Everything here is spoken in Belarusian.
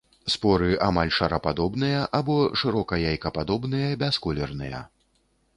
Споры амаль шарападобныя або шырока-яйкападобныя, бясколерныя.